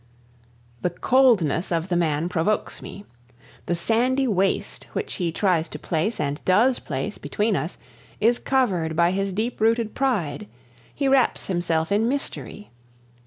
The coldness of the man provokes me. The sandy waste which he tries to place, and does place, between us is covered by his deeprooted pride; he wraps himself in mystery.